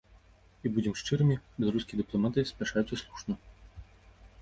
І, будзем шчырымі, беларускія дыпламаты спяшаюцца слушна.